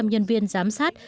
hai trăm linh nhân viên giám sát